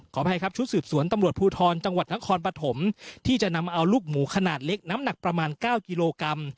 อภัยครับชุดสืบสวนตำรวจภูทรจังหวัดนครปฐมที่จะนำเอาลูกหมูขนาดเล็กน้ำหนักประมาณ๙กิโลกรัม